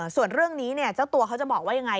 ส่วนเรื่องนี้เจ้าตัวเขาจะบอกว่ายังไง